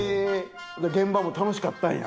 現場も楽しかったんや。